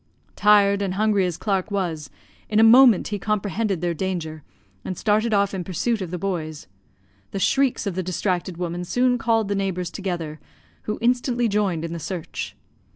"Tired and hungry as Clark was, in a moment he comprehended their danger, and started off in pursuit of the boys. The shrieks of the distracted woman soon called the neighbours together, who instantly joined in the search.